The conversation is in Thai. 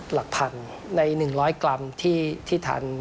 หลักพันใน๑๐๐กรัมที่ทัน